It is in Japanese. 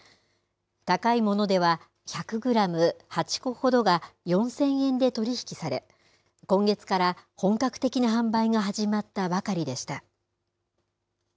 高いものでは１００グラム８個ほどが４０００円で取り引きされ、今月から本格的な販売が始まったばかりでした。